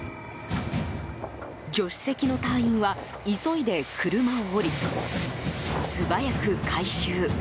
助手席の隊員は急いで車を降り素早く回収。